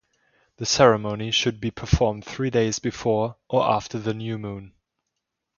The ceremony should be performed three days before or after the new moon.